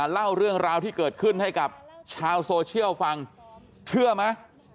เล่าเรื่องราวที่เกิดขึ้นให้กับชาวโซเชียลฟังเชื่อไหม